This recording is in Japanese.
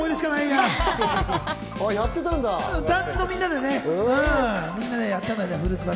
うん、団地のみんなでね。